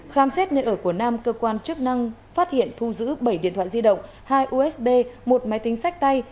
khám xét nơi ở của nam cơ quan chức năng phát hiện thu giữ bảy điện thoại di động hai usb một máy tính sách tay